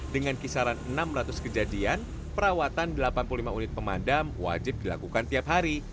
dengan kisaran enam ratus kejadian perawatan delapan puluh lima unit pemadam wajib dilakukan tiap hari